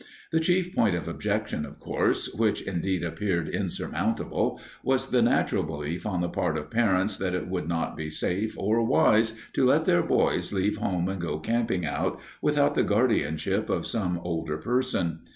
The chief point of objection, of course, which indeed appeared insurmountable, was the natural belief on the part of parents that it would not be safe or wise to let their boys leave home and go camping out without the guardianship of some older person.